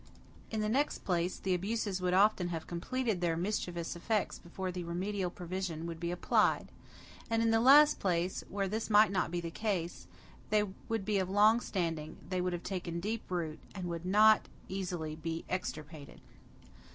In the next place, the abuses would often have completed their mischievous effects before the remedial provision would be applied. And in the last place, where this might not be the case, they would be of long standing, would have taken deep root, and would not easily be extirpated.